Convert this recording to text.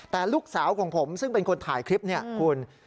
แต่ลูกสาวของผมซึ่งเป็นคนถ่ายคลิปเนี่ยคุณ